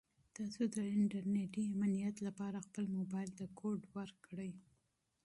تاسو د انټرنیټي امنیت لپاره خپل موبایل ته کوډ ورکړئ.